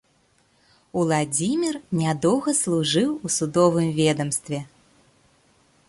Уладзіміра нядоўга служыў у судовым ведамстве.